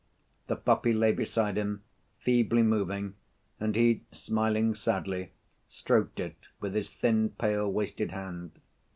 The puppy lay beside him feebly moving and he, smiling sadly, stroked it with his thin, pale, wasted hand.